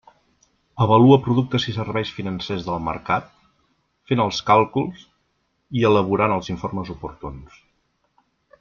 Avalua productes i serveis financers del mercat, fent els càlculs i elaborant els informes oportuns.